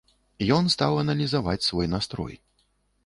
Ён стаў аналізаваць свой настрой.